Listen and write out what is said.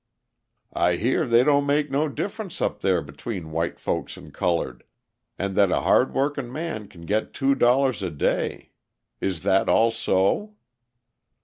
"I hear they don't make no difference up there between white folks and coloured, and that a hard working man can get two dollars a day. Is that all so?"